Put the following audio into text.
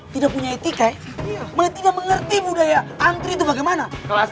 tidak punya etika ya tidak mengerti budaya antri itu bagaimana